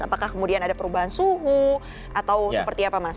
apakah kemudian ada perubahan suhu atau seperti apa mas